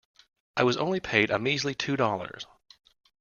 I was only paid a measly two dollars.